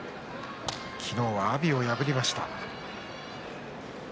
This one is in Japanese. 昨日は阿炎を破りました。